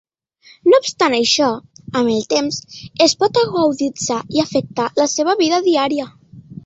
No obstant això, amb el temps, es pot aguditzar i afectar la seva vida diària.